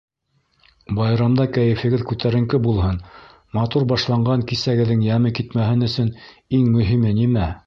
Байрамда кәйефегеҙ күтәренке булһын, матур башланған кисәгеҙҙең йәме китмәһен өсөн иң мөһиме нимә?